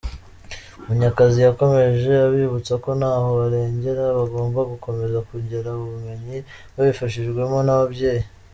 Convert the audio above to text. Munyakazi yakomeje abibutsa ko ntaho baragera, bagomba gukomeza kongera ubumenyi babifashijwemo n’ababyeyi.